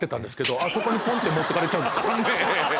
あそこにポンって持ってかれちゃうんですか。